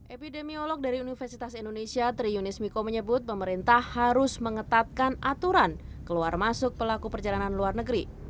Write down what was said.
epidemiolog dari universitas indonesia tri yunis miko menyebut pemerintah harus mengetatkan aturan keluar masuk pelaku perjalanan luar negeri